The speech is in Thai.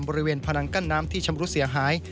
บริเวณพนังกั้นน้ำที่ชำรุดเสียหาย